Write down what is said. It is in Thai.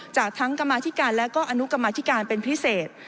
จากทั้งกรรมาธิการและก็อนุกรรมธิการเป็นพิเศษ